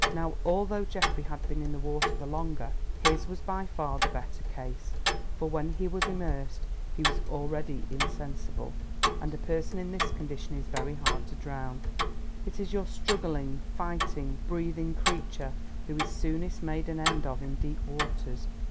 Now, although Geoffrey had been in the water the longer, his was by far the better case, for when he was immersed he was already insensible, and a person in this condition is very hard to drown. It is your struggling, fighting, breathing creature who is soonest made an end of in deep waters.